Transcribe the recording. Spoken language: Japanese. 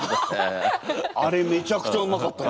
あれめちゃくちゃうまかった。